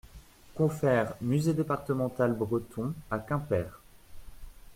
Confer Musée départemental Breton à Quimper.